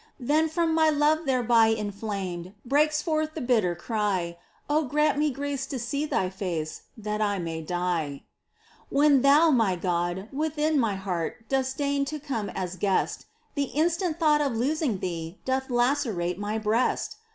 POEMS. 15 Then from my love thereby inflamed Breaks forth the bitter cry — Oh grant me grace to see Thy face, That I may die ! When Thou, my God, within my heart Dost deign to come as Guest, The instant thought of losing Thee Doth lacerate my breast !